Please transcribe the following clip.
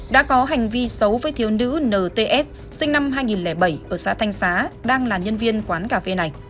đã có hành vi xấu với thiếu nữ nts sinh năm hai nghìn bảy ở xã thanh xá đang là nhân viên quán cà phê này